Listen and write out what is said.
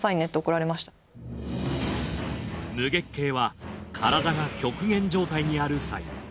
無月経は体が極限状態にあるサイン。